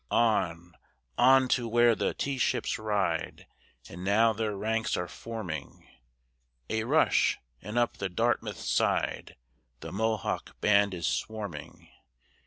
On on to where the tea ships ride! And now their ranks are forming, A rush, and up the Dartmouth's side The Mohawk band is swarming!